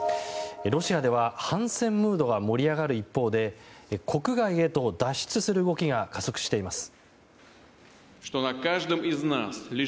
ロシアでは反戦ムードが盛り上がる一方で国外へと脱出する動きが加速しています。